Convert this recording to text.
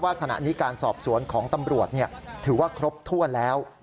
ขณะนี้การสอบสวนของตำรวจถือว่าครบถ้วนแล้ว